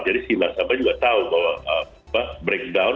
jadi si nasabah juga tahu bahwa breakdown